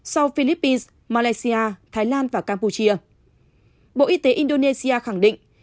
sau philippines malaysia thái lan và campuchia bộ y tế indonesia khẳng định